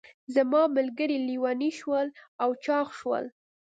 زما ملګري لیوني شول او چاغ شول.